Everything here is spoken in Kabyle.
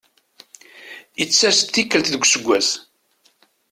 Ittas-d tikkelt deg useggas.